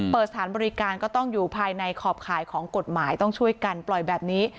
เปิดสถานบริการก็ต้องอยู่ภายในขอบข่ายของกฎหมายต้องช่วยกันปล่อยแบบนี้